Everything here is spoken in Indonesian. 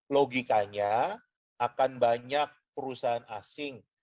logikanya akan banyak perusahaan asing